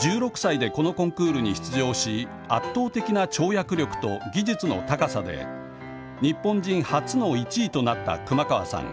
１６歳でこのコンクールに出場し圧倒的な跳躍力と技術の高さで日本人初の１位となった熊川さん。